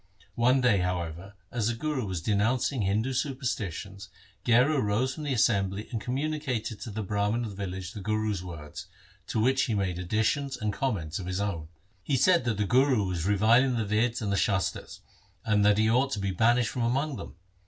One day, however, as the Guru was denouncing Hindu superstitions Gherar rose from the assembly and communicated to the Brahmans of the village the Guru's words, to which he made additions and comments of his own. He said that the Guru was reviling the Veds and Shastars, and that he ought to be banished from among them.